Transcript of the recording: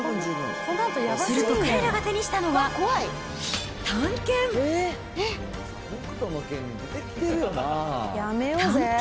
すると彼らが手にしたのは短剣。